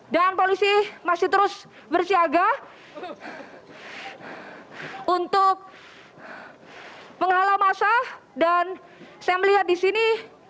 dan polisi masih terus bersiaga untuk menghalau masa dan saya melihat di sini